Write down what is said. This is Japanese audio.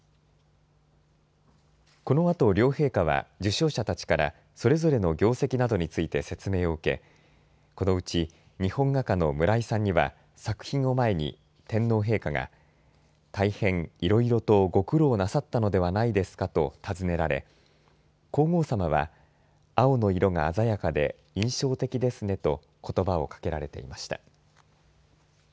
このあと両陛下は受賞者たちからそれぞれの業績などについて説明を受け、このうち日本画家の村居さんには作品を前に天皇陛下が大変いろいろとご苦労なさったのではないですかと尋ねられ、皇后さまは青の色が鮮やかで印象的ですねとことばをかけられていました。